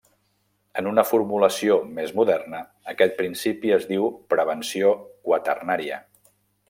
En una formulació més moderna, aquest principi es diu prevenció quaternària.